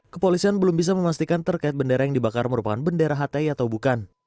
kepolisian belum bisa memastikan terkait bendera yang dibakar merupakan bendera hti atau bukan